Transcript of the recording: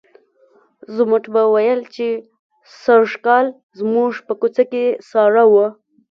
ضمټ به ویل چې سږکال زموږ په کوڅه کې ساړه وو.